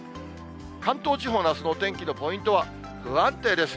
関東地方のあすのお天気のポイントは、不安定です。